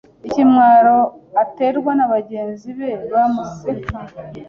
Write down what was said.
ikimwaro aterwa na bagenzi be bamuseka.